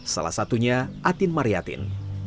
salah satunya atin mariatin